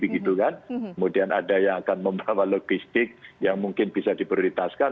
kemudian ada yang akan membawa logistik yang mungkin bisa diprioritaskan